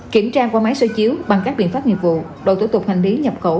kiểm tra qua máy so chiếu bằng các biện pháp nghiệp vụ đội thủ tục hành lý nhập khẩu